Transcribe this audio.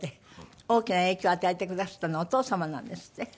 大きな影響を与えてくだすったのはお父様なんですって？